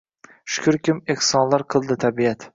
Shukrkim, ehsonlar qildi tabiat